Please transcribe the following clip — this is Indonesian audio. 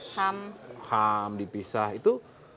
ham ham dipisah itu